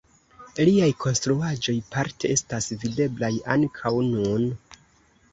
Liaj konstruaĵoj parte estas videblaj ankaŭ nun.